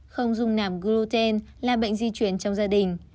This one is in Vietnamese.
không dùng nạp gluten là bệnh di chuyển trong gia đình